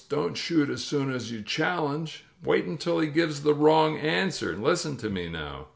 "Don't shoot as soon as you challenge ! Wait imtil he gives the wrong answer! Listen to me, now."